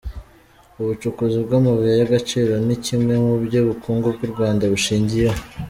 Ubucukuzi bw’amabuye y’agaciro ni kimwe mu byo ubukungu bw’u Rwanda bushingiyeho.